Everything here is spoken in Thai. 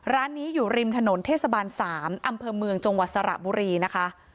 ร้านนี้อยู่ริมถนนเทศบาล๓อำเภอเมืองจังหวัดสระบุรีนะคะ